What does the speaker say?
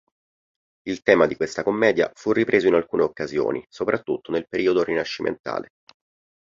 Il tema di questa commedia fu ripreso in alcune occasioni soprattutto nel periodo rinascimentale.